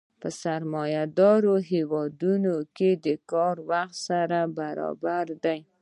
په سرمایه داري هېوادونو کې د کار وخت سره برابر دی